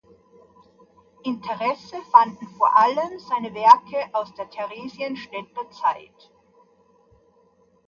Interesse fanden vor allem seine Werke aus der Theresienstädter Zeit.